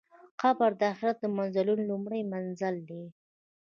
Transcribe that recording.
قبر د آخرت د منزلونو لومړی منزل دی.